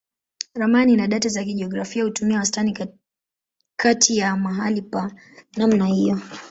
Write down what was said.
Ramani na data za kijiografia hutumia wastani kati ya mahali pa namna hiyo.